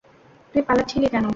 তুই পালাচ্ছিলি কেন?